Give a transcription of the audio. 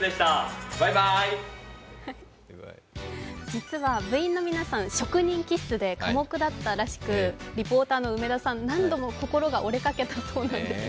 実は部員の皆さん職人気質で寡黙だったらしく、リポーターの梅田さん、何度も心が折れかけたそうです。